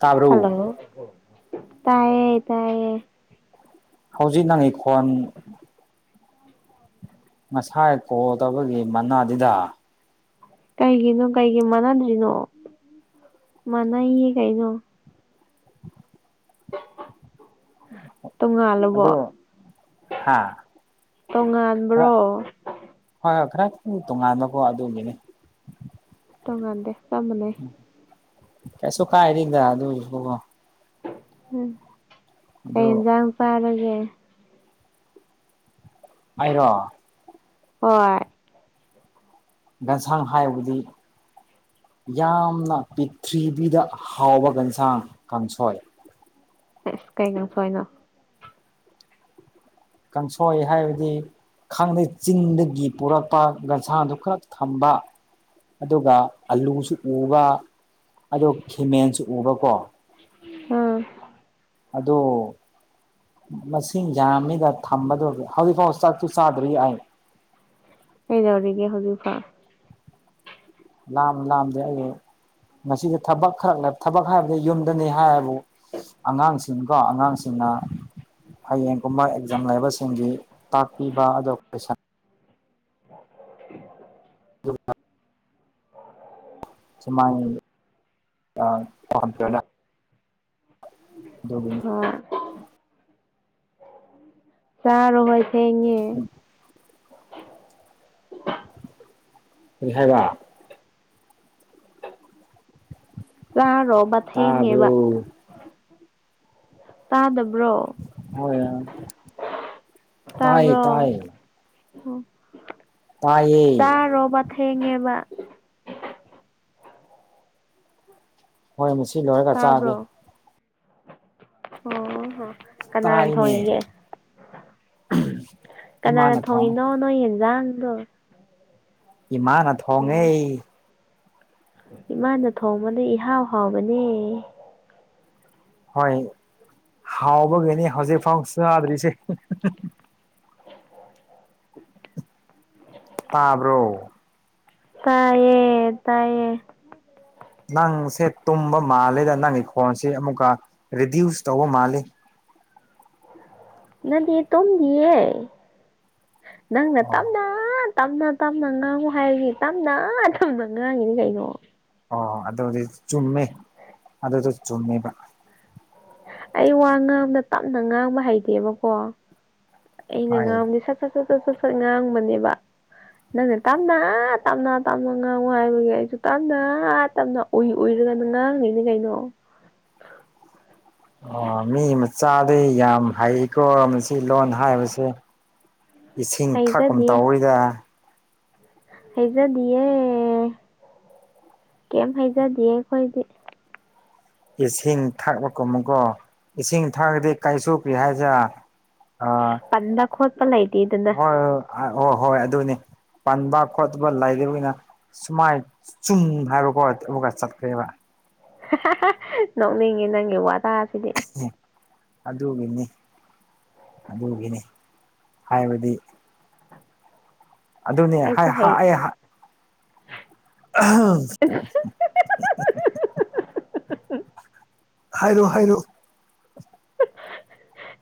[inaudible] ꯇꯥꯕꯔꯣ ꯍꯜꯂꯣ ꯇꯥꯏꯌꯦ ꯇꯌꯦ ꯍꯧꯖꯤꯛ ꯅꯉꯩ ꯈꯣꯟ ꯍ [unintelligible] [inaudible] ꯉꯁꯥꯏ ꯀꯣꯗꯕꯒꯤ ꯃꯅꯥꯗꯤꯗ ꯀꯩꯒꯤꯅꯣ ꯀꯩꯒꯤ ꯃꯥꯟꯅꯗ꯭ꯔꯤꯅꯣ ꯃꯥꯟꯅꯩꯌꯦ ꯀꯩꯅꯣ ꯇꯨꯡꯉꯜꯂꯕꯣ ꯑꯗꯨ ꯍꯥ ꯈꯔ ꯇꯣꯉꯥꯟꯕ꯭ꯔꯣ ꯍꯣꯏ ꯍꯣꯏ ꯈꯔ ꯇꯣꯉꯥꯟꯕꯀꯣ ꯑꯗꯨꯒꯤꯅꯤ ꯇꯉꯥꯟꯗꯦ ꯆꯃꯅꯦ ꯀꯁꯨ ꯀꯥꯏꯔꯤꯗ ꯑꯗꯨ ꯎꯝ ꯍꯖ ꯐꯔꯒꯦ [unintelligible] ꯍꯥꯏꯔꯣ ꯍꯣꯏ [inaudible] ꯒꯟꯁꯥꯡ ꯍꯥꯏꯕꯨꯗꯤ ꯌꯥꯝꯅ ꯄꯤꯊ꯭ꯤꯕꯤꯗ ꯍꯥꯎꯕ ꯌꯦꯟꯁꯥꯡ ꯀꯥꯡꯁꯣꯏ ꯑꯁ ꯀꯩꯒꯪ ꯁꯏꯅꯣ ꯀꯥꯡꯁꯣꯏ ꯍꯥꯏꯕꯗꯤ ꯈꯪꯗꯦ ꯆꯤꯡꯗꯒꯤ ꯄꯨꯔꯛꯄ ꯒꯟꯁꯥꯗꯨ ꯈꯔ ꯊꯝꯕ ꯑꯗꯨꯒ ꯑꯂꯨꯁꯨ ꯎꯕ ꯑꯗꯨꯒ ꯈꯤꯃꯦꯟꯁꯨ ꯎꯕꯀꯣ ꯎꯝ ꯑꯗꯣ ꯃꯁꯤꯡ ꯌꯥꯝ ꯃꯤꯗ ꯊꯝꯕꯗꯒ ꯍꯧꯖꯤꯛꯐꯥꯎ ꯆꯥꯛꯁꯨ ꯆꯥꯗ꯭ꯔꯤ ꯌꯥꯏ [unintelligible] [inaudible] ꯍ ꯌꯥꯧꯔꯒ ꯍꯧꯖꯤ ꯐꯑꯦ ꯂꯝ ꯂꯝꯗ ꯃꯁꯤꯁ ꯊꯕꯛ ꯈꯔ ꯂꯩꯕ ꯊꯕꯛ ꯍꯥꯏꯕꯗꯤ ꯌꯨꯝꯗꯅꯤ ꯍꯥꯏꯕꯨ ꯑꯉꯥꯡꯁꯤꯡ ꯀꯣ ꯑꯉꯥꯡꯁꯤꯡꯅ ꯍꯌꯦꯡꯒꯨꯝꯕ ꯑꯦꯛꯖꯥꯝ ꯂꯩꯕꯁꯤꯡꯒꯤ ꯇꯥꯛꯄꯤꯕ ꯑꯗꯨꯒ ꯀꯣꯏꯁꯟ ꯑꯣ [unintelligible] [inaudible] ꯁꯃꯥꯏ ꯀ [inaudible] ꯑꯗꯨꯒꯤꯅꯤ ꯍꯣꯏ ꯆꯥꯔ ꯍꯣꯏꯁ ꯑꯦ ꯖꯥꯏꯕ ꯑ ꯔꯣꯕ ꯇꯥꯕ꯭ꯔꯣ ꯍꯦꯉꯕ [inaudible] ꯇ ꯗ [inaudible] ꯍꯣꯏ ꯌꯥ ꯇꯌꯦ ꯇꯌꯦ ꯍ ꯇꯌꯦꯌꯦ ꯊꯦꯡꯉꯦꯕ ꯍꯣꯏ ꯃꯁꯤ ꯂꯣꯏꯔꯒ ꯆꯥꯒꯦ ꯇꯥꯕ꯭ꯔꯣ ꯑꯣ ꯍ ꯀꯅꯥꯅ ꯇꯥꯏꯅꯦ ꯊꯒꯦ ꯀꯅꯥꯅ ꯏꯃꯥꯅ ꯊꯣꯡ ꯊꯣꯡꯉꯤꯅꯣ ꯅꯣꯏ ꯌꯦꯟꯖꯥꯡꯗꯣ ꯏꯃꯥꯅ ꯊꯣꯡꯉꯦ ꯑꯣ ꯏꯃꯥꯅ ꯊꯣꯡꯕꯗ ꯏꯍꯥꯎ ꯍꯥꯎꯕꯅꯦ ꯍꯣꯏ ꯍꯥꯎꯕꯒꯤꯅꯤ ꯍꯧꯖꯤꯛꯐꯥꯎ ꯆꯗ꯭ꯔꯤꯁꯦ ꯇꯥꯕ꯭ꯔꯣ ꯇꯥꯏꯌꯦ ꯇꯥꯏꯌꯦ ꯅꯪꯁꯦ ꯇꯨꯝꯕ ꯃꯥꯜꯂꯤꯦꯗ ꯅꯪꯒꯤ ꯈꯣꯟꯁꯤ ꯑꯃꯨꯛꯀ ꯔꯤꯗ꯭ꯌꯨꯁ ꯇꯧꯕ ꯃꯥꯜꯂꯤ ꯅꯗꯤ ꯇꯣꯝꯗꯤꯌꯦ ꯅꯪꯅ ꯑꯣ ꯇꯝꯅ ꯇꯞꯅ ꯇꯞꯅ ꯉꯥꯡꯉꯨ ꯍꯥꯏꯔꯒꯤ ꯇꯞꯅ ꯇꯝꯅ ꯉꯥꯡꯉꯤꯗꯤ ꯀꯩꯅꯣ ꯑꯣ ꯑꯗꯨꯗꯤ ꯆꯨꯝꯃꯦ ꯑꯗꯨꯗꯣ ꯆꯨꯝꯃꯦꯕ ꯑꯩ ꯋꯥ ꯉꯥꯡꯅ ꯇꯞꯅ ꯉꯥꯡꯕ ꯍꯩꯇꯦꯕꯀꯣ ꯑꯩꯅ ꯍꯣꯏ ꯉꯥꯡꯕꯗꯤ ꯁꯠ ꯁꯠ ꯁꯠ ꯁꯠ ꯁꯠ ꯁꯠ ꯉꯥꯡꯕꯅꯦꯕ ꯅꯪꯅꯦ ꯇꯞꯅ ꯇꯞꯅ ꯇꯞꯅ ꯉꯥꯡꯉꯨ ꯍꯥꯏꯕꯒꯤ ꯑꯩꯁꯨ ꯇꯞꯅ ꯇꯞꯅ ꯎꯏ ꯎꯏꯔ ꯉꯥꯡ ꯉꯤꯅ‌ꯦ ꯀꯩꯅ‌ꯣ [inaudible] ꯑꯣ ꯃꯤ ꯃꯆꯥꯗꯩ ꯌꯥꯝ ꯍꯩꯀꯣ ꯃꯁꯤ ꯂꯣꯟ ꯍꯥꯏꯕꯁꯦ ꯏꯁꯤꯡ ꯊꯛꯀꯨꯝ ꯍꯩꯖꯗꯤꯌꯦ ꯇꯧꯔꯤꯗ ꯍꯩꯖꯗꯤꯌꯦ ꯀꯦꯝ ꯍꯥꯏ ꯖꯗꯤꯌꯦ ꯈꯣꯏꯗꯤ ꯏꯁꯤꯡ ꯊꯛꯂꯀꯨꯝ ꯑꯃꯨꯛꯀꯣ ꯏꯁꯤꯡ ꯊꯛꯑꯗꯤ ꯀꯥꯏꯁꯨꯣꯛꯄꯤ ꯍꯥꯏꯁꯤꯔ ꯑꯥ ꯄꯟꯕ ꯈꯣꯠꯄ ꯂꯩ ꯍꯣꯏ ꯍꯣꯏ ꯍꯣꯏ ꯑꯗꯨꯅꯤ ꯄꯥꯟꯕ ꯈꯣꯠꯠꯇꯕ ꯂꯩꯕꯅꯤꯅ ꯁꯨꯃꯥꯏ ꯆꯨꯝ ꯍꯥꯏꯕ ꯈꯣꯠ ꯑꯃ ꯆꯠꯈ꯭ꯔꯦꯕ ꯅꯣꯛ ꯅꯤꯡꯉꯦ ꯅꯪꯒꯤ ꯋꯥꯇꯥ ꯁꯤꯗꯤ ꯎꯝ ꯑꯗꯨꯒꯤꯅꯤ ꯑꯗꯨꯒꯤꯅꯤ ꯍꯥꯏꯕꯗꯤ ꯑꯗꯨꯅꯦ ꯑꯩꯁꯨ ꯍꯩ ꯑꯩ ꯑꯥ ꯍꯝ ꯍꯥꯏꯔꯣ ꯍꯥꯏꯔꯣ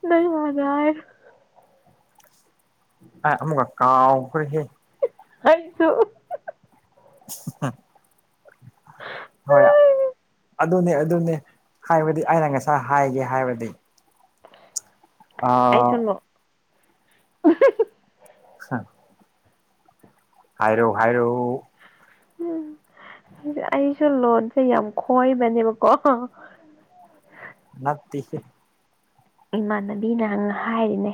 ꯅꯣꯏ ꯃꯗ ꯍꯥꯏꯔꯣ ꯑ ꯑꯃꯨꯒ ꯀꯥꯎꯈꯔꯤ ꯍꯦ ꯍꯩꯁꯨ ꯍꯝ ꯍꯣꯏ ꯑꯗꯨꯅꯦ ꯑꯗꯨꯅꯦ ꯍꯥꯏꯕꯗꯤ ꯑꯩꯅ ꯉꯁꯥꯏ ꯍꯥꯏꯒꯦ ꯍꯥꯏꯕꯗꯤ ꯑꯥ ꯎꯍꯨ ꯍꯨ ꯍꯥ ꯍꯥꯏꯔꯣ ꯍꯥꯏꯔꯣ ꯎꯝ ꯑꯩꯁꯨ ꯂꯣꯟꯁꯦ ꯌꯥꯝ ꯈꯣꯏꯕꯅꯦꯕꯀꯣ ꯅꯠꯇꯦꯍꯦ ꯏꯃꯥꯟꯅꯕꯤꯅ ꯍꯥꯏꯔꯤꯅꯦ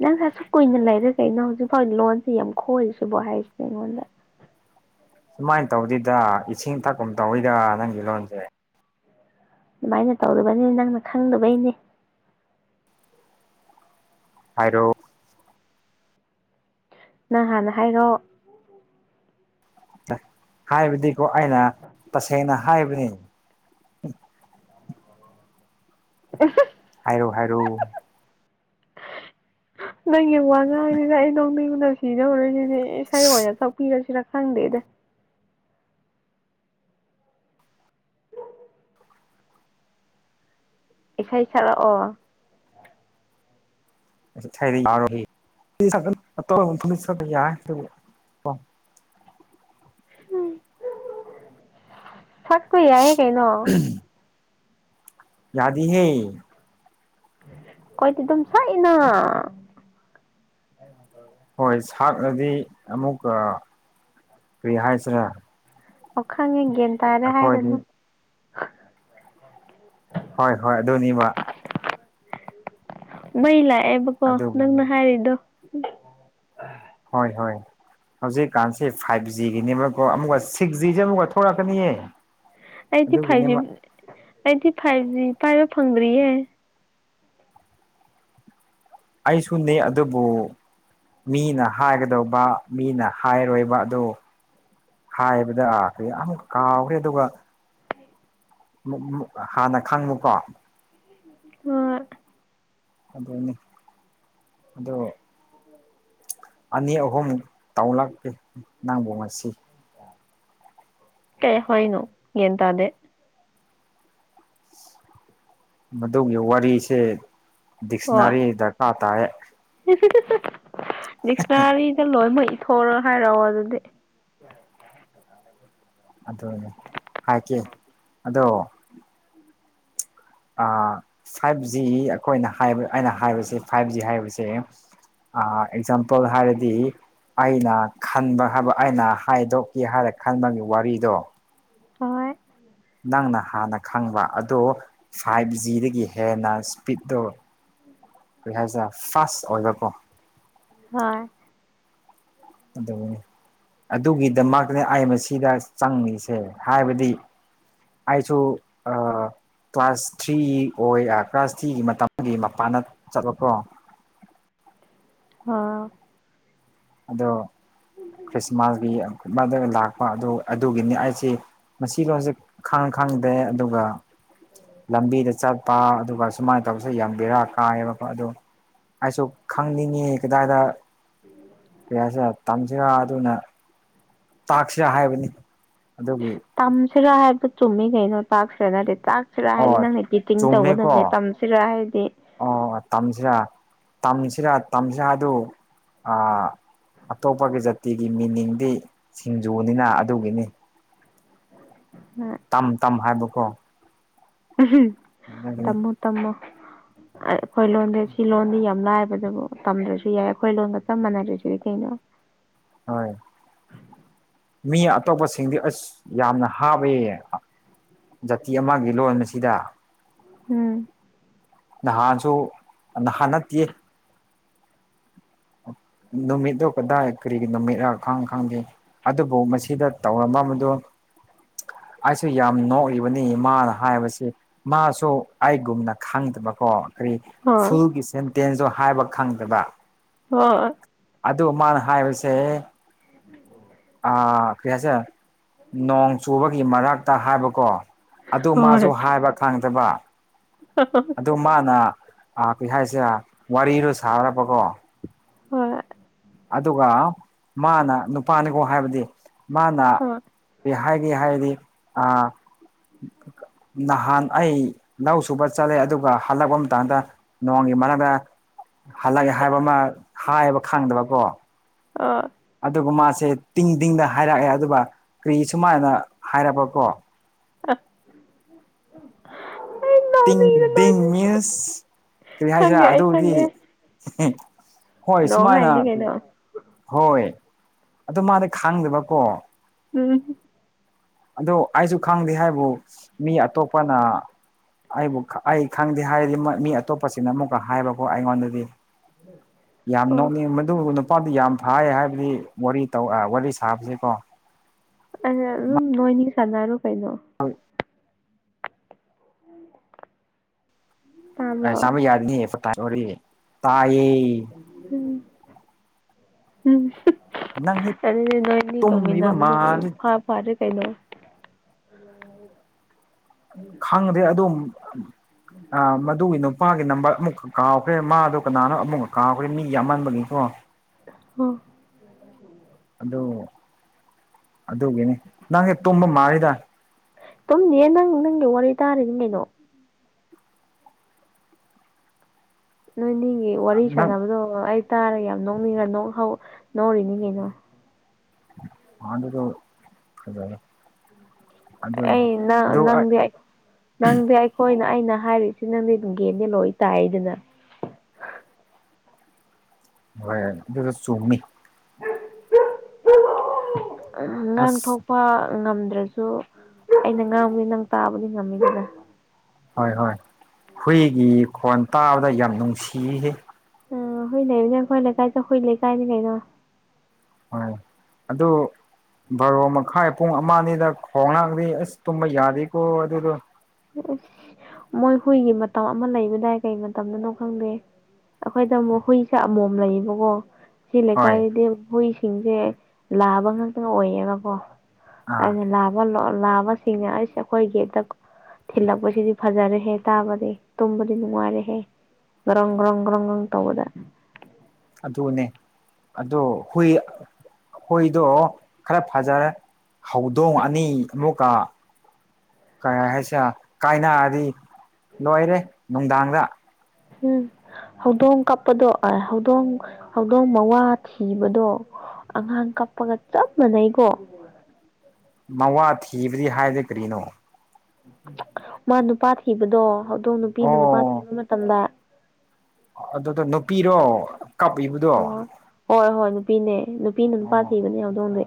ꯅꯪꯁ ꯑꯁꯨꯛ ꯀꯨꯏꯅ ꯂꯩꯔꯒꯦ ꯑꯩꯅ ꯍꯧꯖꯤꯛ ꯐꯥꯎ ꯂꯣꯟꯁꯤꯦ ꯌꯥꯝ ꯈꯣꯏꯔꯤꯁꯤꯕꯣ ꯍꯥꯏꯔꯤꯁꯤꯅꯦ ꯑꯩꯉꯣꯟꯗ ꯁꯨꯃꯥꯏꯅ ꯇꯧꯗꯣꯏꯗ ꯏꯁꯤꯡ ꯊꯛꯄ ꯇꯧꯋꯤꯗ ꯅꯪꯒꯤ ꯂꯣꯟꯁꯦ ꯑꯗꯨꯃꯥꯏꯅ ꯇꯧꯗꯕꯅꯤ ꯅꯪꯅ ꯈꯪꯗꯕꯩꯅꯦ ꯍꯥꯏꯔꯣ ꯅꯪ ꯍꯥꯟꯅ ꯍꯥꯏꯔꯣ ꯍꯥꯏꯕꯗꯤꯀꯣ ꯑꯩꯅ ꯇꯁꯦꯡꯅ ꯍꯥꯏꯕꯅꯤ ꯑꯍꯥ ꯍꯥꯏꯔꯣ ꯍꯥꯏꯔꯣ ꯅꯪꯒꯤ ꯋꯥ ꯉꯥꯡꯁꯤꯗ ꯑꯩ ꯅꯣꯛꯅꯤꯡꯕꯅꯥ ꯁꯤꯗꯧꯔꯦ ꯏꯁꯩ ꯑꯣꯏꯅꯥ ꯁꯛꯄꯤꯔꯁꯤꯔ ꯈꯪꯗꯦꯗ ꯏꯁꯩꯥ ꯁꯛꯂꯛ ꯑꯣ ꯏꯁꯩꯗꯤ ꯌꯔꯣꯏꯍꯦ [unintelligible] ꯁꯛꯄꯥ ꯌꯥꯏꯌꯦ ꯀꯩꯅꯣ ꯌꯥꯗꯤ ꯍꯦ ꯑꯩꯈꯣꯏꯗꯤ ꯑꯗꯨꯝ ꯁꯛꯑꯦꯅꯥ ꯊꯥꯛꯅꯗꯤ ꯑꯃꯨꯛꯀ ꯀꯔꯤ ꯍꯥꯏꯁꯤꯔꯦ ꯑꯣ ꯈꯪꯅꯤꯡꯗꯔ ꯇꯥꯔꯦ ꯍꯥꯏꯔꯅꯨ ꯍꯣꯏ ꯍꯣꯏ ꯑꯗꯨꯅꯦꯕ ꯃꯩ ꯂꯥꯛꯑꯦꯕꯀꯣ ꯅꯪꯅ ꯑꯗꯨꯒꯤꯅꯤ ꯍꯥꯏꯔꯤꯗꯣ ꯗ ꯍꯣꯏ ꯍꯣꯏ ꯍꯧꯖꯤꯛꯀꯥꯟꯁꯦ ꯐꯥꯏꯚ ꯖꯤꯒꯤꯅꯦꯕꯀꯣ ꯑꯃꯨꯛꯀ ꯁꯤꯛꯁ ꯖꯤꯁꯦ ꯑꯃꯨꯛꯀ ꯊꯣꯛꯂꯛꯀꯅꯤꯌꯦ ꯑꯩꯗꯤ ꯐꯥꯏꯚ ꯑꯗꯨꯒꯤꯅꯦꯕ ꯖꯤ ꯑꯩꯗꯤ ꯐꯥꯏꯚ ꯖꯤ ꯄꯥꯏꯕ ꯐꯪꯗ꯭ꯔꯤꯌꯦ ꯑꯩꯁꯨꯅꯦ ꯑꯗꯨꯕꯨ ꯃꯤꯅ ꯍꯥꯏꯒꯗꯧꯕ ꯃꯤꯅ ꯍꯥꯏꯔꯣꯏꯕ ꯑꯗꯨ ꯍꯥꯏꯕꯗ ꯑꯥ ꯌꯥꯝ ꯀꯥꯎꯈ꯭ꯔꯦ ꯑꯗꯨꯒ ꯍꯥꯟꯅ ꯈꯪꯉꯨꯀꯣ ꯍꯣꯢ ꯑꯗꯨꯅꯤ ꯑꯗꯣ ꯑꯅꯤ ꯑꯍꯨꯝ ꯇꯥꯎꯂꯛꯀꯦ ꯅꯪꯕꯨ ꯉꯁꯤ ꯀꯩ ꯍꯣꯏꯅꯣ ꯒꯌ꯭ꯥꯟ ꯇꯗꯦ ꯃꯗꯨꯒꯤ ꯋꯥꯔꯤꯁꯦ ꯗꯤꯛꯁꯅꯥꯔꯤ ꯗꯔꯀꯥꯔ ꯇꯥꯏ ꯗꯤꯁ꯭ꯔꯥꯔꯤ ꯏ ꯂꯣꯏ ꯃꯣꯏ ꯊꯣꯔ ꯍꯥꯏꯔꯛꯑꯣ ꯑꯗꯨꯗꯤ ꯑꯗꯨꯅꯦ ꯍꯥꯏꯀꯦ ꯑꯗꯣ ꯐꯥꯏꯚ ꯖꯤ ꯑꯩꯈꯣꯏꯅ ꯍꯥꯏꯕ ꯑꯩꯅ ꯍꯥꯏꯕꯁꯦ ꯐꯥꯏꯚ ꯖꯤ ꯍꯥꯏꯕꯁꯦ ꯑ ꯑꯦꯛꯖꯥꯝꯄꯜ ꯍꯥꯏꯔꯗꯤ ꯑꯩꯅ ꯈꯟꯕ ꯍꯥꯏꯕ ꯑꯩꯅ ꯍꯥꯏꯗꯣꯛꯀꯦ ꯍꯥꯏꯔ ꯈꯟꯕꯒꯤ ꯋꯥꯔꯤꯗꯣ ꯍꯣꯏ ꯅꯪꯅ ꯍꯥꯟꯅ ꯈꯪꯕ ꯑꯗꯣ ꯐꯥꯏꯚ ꯖꯤꯗꯒꯤ ꯍꯦꯟꯅ ꯏꯁꯄꯤꯠꯇꯠꯇꯣ ꯀꯩ ꯍꯥꯏꯁꯤꯔꯥ ꯐꯥꯁ ꯑꯣꯏꯕꯀꯣ ꯍꯣꯏ ꯑꯗꯨꯅꯦ ꯑꯗꯨꯒꯤꯗꯃꯛꯇꯅꯤ ꯑꯩ ꯃꯁꯤꯗ ꯆꯪꯉꯤꯁꯦ ꯍꯥꯏꯕꯗꯤ ꯑꯩꯁꯨ ꯑ ꯀ꯭ꯂꯥꯁ ꯊ꯭ꯔꯤ ꯑꯣꯏ ꯀ꯭ꯂꯥꯁ ꯊ꯭ꯔꯤꯒꯤ ꯃꯇꯝꯒꯤ ꯃꯄꯥꯟꯗ ꯆꯠꯂꯄ꯭ꯔꯣ ꯍꯤ ꯍꯥ ꯑꯗꯣ ꯈ꯭ꯔꯤꯁꯃꯥꯁꯒꯤ ꯂ ꯑꯗꯨ ꯑꯗꯨꯒꯤꯅꯤ ꯑꯩꯁꯤ ꯃꯁꯤ ꯂꯣꯟꯁꯤ ꯈꯪ ꯈꯪꯗꯦ ꯑꯗꯨꯒ ꯂꯝꯕꯤꯗ ꯆꯠꯄ ꯑꯗꯨꯒ ꯁꯨꯃꯥꯏꯅ ꯇꯧꯔꯁꯨ ꯌꯦꯡꯕꯤꯔ ꯀꯥꯏꯌꯦꯕꯀꯣ ꯑꯗꯨ ꯑꯩꯁꯨ ꯈꯪꯅꯤꯡꯉꯤ ꯀꯗꯥꯏꯗ ꯀꯌꯥꯁꯤꯦ ꯇꯝꯁꯤꯔ ꯑꯗꯨꯅ ꯇꯥꯛꯁꯤꯔꯥ ꯍꯥꯏꯕꯅꯤ ꯑꯗꯨꯒꯤ ꯁꯤꯔꯥ ꯍꯥꯏꯕꯗꯨꯣ ꯆꯨꯝꯃꯤ ꯀꯩꯅꯣ ꯇꯥꯛ ꯁꯦꯅꯔꯦ ꯇꯥꯛ ꯁꯤꯔ ꯑꯣ ꯍꯥꯏꯗꯤ ꯅꯪꯅꯤꯇꯤꯡ ꯆꯨꯝꯃꯦꯀꯣ ꯇꯧꯒꯗꯕꯅꯦ ꯇꯝꯁꯤꯔ ꯍꯥꯏꯗꯤ ꯇꯝꯁꯤꯔ ꯇꯝꯁꯤꯔ ꯑꯗꯨ ꯑ ꯑꯇꯣꯞꯄꯒꯤ ꯖꯥꯇꯤꯒꯤ ꯃꯤꯅꯤꯡꯗꯤ ꯁꯤꯡꯖꯨꯅꯤꯅ ꯑꯗꯨꯒꯤꯅꯤ ꯇꯝ ꯇꯝ ꯍꯥꯏꯕꯀꯣ ꯑꯗꯨꯒꯤꯅꯤ ꯇꯃꯣ ꯇꯃꯣ [unintelligible] [inaudible] ꯑꯩꯈꯣꯏ ꯂꯣꯟꯗꯤ ꯁꯤ ꯂꯣꯟꯗꯤ ꯌꯥꯝ ꯂꯥꯏꯕꯗꯨꯕꯨ ꯇꯝꯗ꯭ꯔꯁꯨ ꯌꯥꯏ ꯑꯩꯈꯣꯏ ꯂꯣꯟꯒ ꯆꯞ ꯃꯥꯟꯅꯗ꯭ꯔꯔꯤꯁꯤꯗꯤ ꯀꯩꯅꯣ ꯍꯣꯏ ꯃꯤ ꯑꯇꯣꯞꯄꯁꯤꯡꯗꯤ ꯑꯁ ꯌꯥꯝꯅ ꯍꯥꯕ ꯖꯥꯇꯤ ꯑꯃꯒꯤ ꯂꯣꯟ ꯑꯁꯤꯗ ꯎꯝ ꯅꯍꯥꯁꯨꯣ ꯅꯍꯥꯅꯠꯇꯌꯦ ꯅꯨꯃꯤꯠꯇꯣ ꯀꯗꯥꯏ ꯀꯔꯤꯒꯤ ꯅꯨꯃꯤꯠꯔ ꯈꯪ ꯈꯪꯗꯦ ꯑꯗꯨꯕꯨ ꯃꯁꯤꯗ ꯇꯧꯔꯝꯕꯝꯕꯗꯨꯣ [unintelligible] [inaudible] ꯑꯩꯁꯨ ꯌꯥꯝ ꯅꯣꯛꯏꯕꯅꯤ ꯃꯥꯅ ꯍꯥꯏꯕꯁꯤ ꯃꯥꯁꯨ ꯑꯩꯒꯨꯝꯅ ꯈꯪꯗꯕꯀꯣ ꯀꯔꯤ ꯍꯣꯏ ꯐꯨꯜꯒꯤ ꯁꯦꯟꯇꯦꯟꯁꯇꯣ ꯍꯥꯏꯕ ꯈꯪꯗꯕ ꯍꯣꯏ ꯑꯗꯨ ꯃꯥꯅ ꯍꯥꯏꯕꯁꯦ ꯑ ꯀꯔꯤ ꯍꯥꯏꯁꯦ ꯅꯣꯡ ꯆꯨꯕꯒꯤ ꯃꯔꯛꯇ ꯍꯥꯏꯕꯀꯣ ꯑꯗꯨ ꯃꯥꯁꯨ ꯍꯣꯏ ꯍꯥꯏꯕ ꯈꯪꯗꯕ ꯑꯗꯨ ꯃꯥꯅ ꯀꯩ ꯍꯥꯏꯁꯦ ꯋꯥꯔꯤꯔꯣ ꯁꯥꯔꯕꯀꯣ ꯍꯣꯏ ꯑꯗꯨꯒ ꯃꯥꯅ ꯅꯨꯄꯥꯅꯤꯀꯣ ꯍꯥꯏꯕꯗꯤ ꯃꯥꯅ ꯍꯣꯏ ꯀꯩ ꯍꯥꯏꯒꯦ ꯍꯥꯏꯔꯗꯤ ꯅꯍꯥꯟ ꯑꯩ ꯂꯧ ꯁꯨꯕ ꯆꯠꯂꯦ ꯑꯗꯨꯒ ꯍꯜꯂꯛꯄ ꯃꯇꯝꯗ ꯅꯣꯡꯒꯤ ꯃꯔꯛꯇ ꯍꯜꯂꯛꯒꯦ ꯍꯥꯏꯕ ꯑꯃ ꯍꯥꯏꯌꯦꯕ ꯈꯪꯗꯕꯀꯣ ꯑ ꯑꯗꯨꯒ ꯃꯥꯁꯦ ꯇꯤꯡ ꯇꯤꯡꯗ ꯍꯥꯏꯔꯛꯑꯦ ꯑꯗꯨꯒ ꯀꯔꯤ ꯁꯨꯃꯥꯏꯅ ꯍꯥꯏꯔꯕꯀꯣ ꯑ ꯇꯤꯡ ꯇꯤꯡ ꯃꯤꯁ ꯀꯔꯤ ꯍꯥꯏꯁꯤꯔꯥ ꯈꯪꯉꯦ ꯑꯩ ꯑꯗꯨꯗꯤ ꯈꯪꯉꯦ ꯍꯣꯏ ꯅꯣꯡ ꯁꯨꯃꯥꯏꯅ ꯍꯥꯏꯕꯅꯤ ꯀꯩꯅꯣ ꯍꯣꯏ ꯑꯗꯨ ꯃꯥꯗꯤ ꯈꯥꯡꯗꯕꯀꯣ ꯎꯝ ꯑꯗꯣ ꯑꯩꯁꯨ ꯈꯪꯗꯦ ꯍꯥꯏꯕꯨ ꯃꯤ ꯑꯇꯣꯞꯄꯅ ꯑꯩꯕꯨ ꯑꯩ ꯈꯪꯗꯦ ꯍꯥꯏꯔꯗꯤ ꯃꯤ ꯑꯇꯣꯞꯄꯁꯤꯅ ꯑꯃꯨꯛꯀ ꯍꯥꯏꯕꯀꯣ ꯑꯩꯉꯣꯟꯗꯗꯤ ꯌꯥꯝ ꯑꯣ ꯅꯅꯤ ꯃꯗꯨ ꯃꯄꯥꯥꯟꯗꯤ ꯌꯥꯝ ꯐꯥꯏꯌꯦ ꯍꯥꯏꯕꯗꯤ ꯋꯥꯔꯤ ꯋꯥꯔꯤ ꯁꯥꯕꯁꯦꯀꯣ ꯑꯗꯨꯝ ꯅꯣꯏꯅꯤ ꯁꯥꯟꯅꯔꯨ ꯀꯩꯅꯣ ꯍꯣꯏ ꯎꯝ ꯑꯁꯝ ꯌꯥꯗꯅꯤ ꯇꯌꯦ ꯎꯝ ꯎꯝ ꯅꯪꯗꯤ ꯑꯗꯨꯗꯤ ꯅꯣꯏ ꯃꯤ ꯇꯨꯝꯔꯤꯕ ꯇꯧꯃꯤꯟꯅꯕ ꯅꯣꯏ ꯃꯥꯜꯂꯤ ꯐꯥ ꯐꯥꯗ ꯀꯩꯅꯣ ꯈꯪꯗꯦ ꯑꯗꯨ ꯑ ꯃꯗꯨꯒꯤ ꯅꯨ ꯅꯨꯄꯥꯒꯤ ꯅꯝꯕꯔ ꯑꯃꯨꯛꯀ ꯀꯥꯎꯈ꯭ꯔꯦ ꯃꯥꯗꯣ ꯀꯅꯥꯅꯣ ꯑꯃꯨꯛꯀ ꯀꯥꯎꯈ꯭ꯔꯦ ꯃꯤꯒꯤ ꯌꯥꯝꯃꯟꯕꯒꯤꯀꯣ ꯑꯣ ꯑꯗꯨꯗ ꯑꯗꯨꯒꯤꯅꯦ ꯅꯪꯦ ꯇꯨꯝꯝꯕ ꯃꯥꯗ ꯇꯨꯝꯗꯤꯦ ꯅꯪ ꯅꯪꯒꯤ ꯋꯥꯔꯤ ꯇꯥꯔꯤꯅꯦ ꯀꯩꯅꯣ ꯅꯣꯏꯅꯤꯒꯤ ꯋꯥꯔꯤ ꯅꯪ ꯁꯥꯟꯅꯕꯗꯣ ꯑꯩ ꯇꯥꯔꯒ ꯌꯥꯝ ꯅꯣꯛꯅꯤꯡꯔ ꯅ ꯅꯣꯔꯤꯅꯤꯉꯦꯅ ꯄꯗ ꯐ [unintelligible] ꯑꯩ ꯅꯪꯗꯤ ꯅꯪꯗꯤ ꯑꯩꯈꯣꯏꯅ ꯑꯩꯅ ꯩꯅ ꯍꯥꯏꯔꯤꯁꯤ ꯅꯪꯗꯤ ꯒꯦꯟꯗꯤ ꯂꯣꯏ ꯇꯥꯏꯗꯅ ꯍꯣꯏꯁ ꯆꯨꯅꯤ ꯎ ꯉꯥꯡ ꯑꯁ ꯊꯣꯛꯣꯛꯄ ꯉꯝꯗ ꯑꯗꯨ꯭ꯔꯁꯨ ꯑꯩꯅ ꯉꯥꯡꯕꯒꯤ ꯅꯪ ꯇꯥꯕꯗꯤ ꯉꯝꯃꯤꯗꯗ ꯍꯣꯏ ꯍꯣꯏ ꯍꯨꯏꯒꯤ ꯈꯣꯟ ꯇꯥꯕꯗ ꯌꯥꯝ ꯅꯨꯡꯁꯤꯈꯤ ꯑ ꯍꯨꯏ ꯂꯩꯕꯅꯦ ꯑꯩꯈꯣꯏ ꯂꯩꯀꯥꯏꯗ ꯍꯨꯏ ꯂꯩꯀꯥꯏꯅꯤ ꯀꯩꯅꯣ ꯍꯣꯏ ꯑꯗꯨꯣ ꯕꯥꯔꯣ ꯃꯈꯥꯏ ꯄꯨꯡ ꯑꯃꯅꯤꯗ ꯈꯣꯡꯅꯥꯥꯡꯗꯤ ꯑꯁ ꯇꯨꯝꯕ ꯌꯥꯔꯤꯦꯀꯣ ꯑꯗꯨꯗꯣ ꯑꯁ [unintelligible] ꯃꯣꯏ ꯍꯨꯏꯒꯤ ꯃꯇꯝ ꯑꯃ ꯂꯩꯕꯗꯥꯏ ꯀꯩ ꯃꯇꯝꯗꯅꯣ ꯈꯪꯗꯦ ꯑꯩꯈꯣꯏꯗ ꯑꯃꯨꯛ ꯍꯨꯏꯁꯦ ꯑꯃꯣꯝ ꯂꯩꯌꯦꯕꯀꯣ ꯁꯤ ꯍꯣꯏ ꯂꯩꯀꯥꯏꯗꯗꯤ ꯍꯨꯏꯁꯤꯡꯁꯦ ꯂꯥꯕ ꯉꯥꯛꯇꯪ ꯑꯣꯏꯌꯦꯅꯀꯣ ꯑꯥ ꯑꯩꯅ ꯂꯥꯕ ꯂꯥꯕꯁꯤꯡꯅꯦ ꯑꯩꯁꯦ ꯑꯩꯈꯣꯏꯒꯤꯗ ꯊꯤꯜꯂꯛꯄꯁꯤꯗꯤ ꯐꯖꯔꯦꯍꯦ ꯇꯥꯕꯗꯤ ꯇꯨꯝꯕꯗꯤ ꯅꯨꯡꯉꯥꯏꯔꯦꯍꯦ ꯭ꯔꯪ ꯒ꯭ꯔꯪ ꯒ꯭ꯔꯪ ꯒ꯭ꯔꯪ ꯇꯧꯕꯗ ꯑꯗꯨꯅꯦ ꯑꯗꯣ ꯍꯨꯏ ꯑꯩꯈꯣꯏꯗꯣ ꯈꯔ ꯐꯖꯔꯦ ꯍꯧꯗꯣꯡ ꯑꯅꯤ ꯑꯃꯨꯛꯀ ꯀꯩ ꯍꯥꯏꯁꯦ ꯀꯥꯏꯅꯥꯔꯗꯤ ꯂꯣꯏꯔꯦ ꯅꯨꯡꯗꯥꯡꯗ ꯎꯝ ꯍꯧꯗꯣꯡ ꯀꯞꯄꯗꯣ ꯍꯧꯗꯣꯡ ꯍꯧꯗꯣꯡ ꯃꯋꯥ ꯊꯤꯕꯗꯣ ꯑꯉꯥꯡ ꯆꯞꯄꯒ ꯆꯞ ꯃꯅꯩꯀꯣ ꯃꯋꯥ ꯊꯤꯕꯗꯤ ꯍꯥꯏꯗꯤꯦ ꯀꯔꯤꯅꯣ ꯃꯥ ꯅꯨꯄꯥ ꯊꯤꯕꯗꯣ ꯍꯧꯗꯣ ꯅꯨꯄꯤꯅ ꯅꯨꯄꯥ ꯊꯤꯕ ꯃꯇꯝꯗ ꯑꯗꯨꯗ ꯅꯨꯄꯤꯔꯣ ꯀꯞꯂꯤꯕꯗꯣ ꯑꯣ ꯍꯣꯏ ꯍꯣꯏ ꯅꯨꯄꯤꯅꯦ ꯅꯨꯄꯤꯅ ꯅꯨꯄꯥ ꯊꯤꯕꯅꯦ ꯌꯥꯎꯗꯧꯅꯦꯩ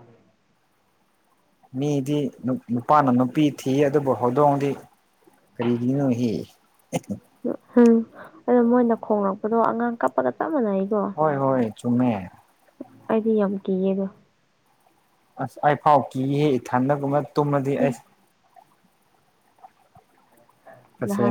ꯃꯤꯗꯤ ꯅꯨꯄꯥꯅ ꯅꯨꯄꯤ ꯊꯤ ꯑꯗꯨꯕꯨ ꯍꯧꯗꯣꯡꯗꯤ ꯀꯔꯤꯗꯅꯤꯅꯁꯤ ꯎ ꯎꯝ ꯑꯗꯣ ꯃꯣꯏꯅ ꯈꯣꯡꯂꯛꯄꯗꯣ ꯑꯉꯥꯡ ꯀꯞꯄꯒ ꯆꯞ ꯃꯥꯟꯅꯩ ꯍꯣꯏ ꯍꯣꯏ ꯆꯨꯝꯃꯦ ꯑꯩꯗꯤ ꯌꯥꯝ ꯀꯤꯌꯦꯗ ꯑꯁ ꯑꯩ ꯐꯥꯎ ꯀꯤꯍꯦ ꯏꯊꯟꯗꯒꯨꯝꯅ ꯇꯨꯝꯃꯗꯤ ꯑꯩꯁ ꯑꯁꯦ ꯅꯍꯥꯟ